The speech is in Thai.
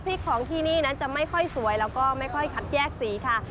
ของที่นี่นั้นจะไม่ค่อยสวยแล้วก็ไม่ค่อยคัดแยกสีค่ะ